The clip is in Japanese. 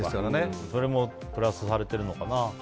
それもプラスされてるのかな。